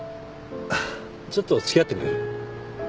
ちょっと付き合ってくれる？